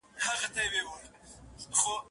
پرېږده ستا د تورو ګڼو وریځو د سیلیو زور